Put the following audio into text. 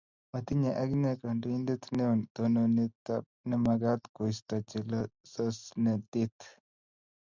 Matinye akine kandoindet neo tononet nemakat koisto chelososnatet